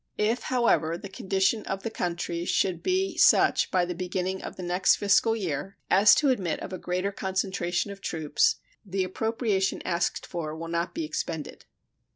If, however, the condition of the country should be such by the beginning of the next fiscal year as to admit of a greater concentration of troops, the appropriation asked for will not be expended.